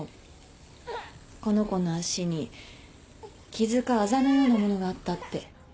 この子の脚に傷かあざのようなものがあったって。